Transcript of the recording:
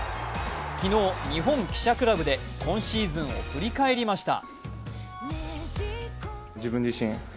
昨日、日本記者クラブで今シーズンを振り返りました。